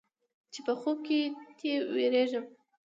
چې په خوب کې تې وېرېږم.